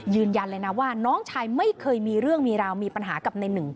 ยืนยันเลยนะว่าน้องชายไม่เคยมีเรื่องมีราวมีปัญหากับในหนึ่ง